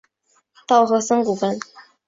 稻荷森古坟。